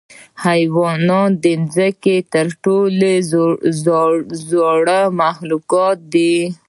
حیوانات د ځمکې تر ټولو زوړ مخلوق دی.